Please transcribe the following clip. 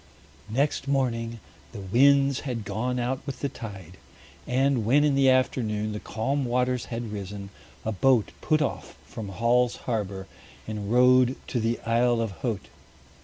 Next morning the winds had gone out with the tide, and when in the afternoon the calm waters had risen, a boat put off from Hall's Harbor and rowed to the Isle of Haut.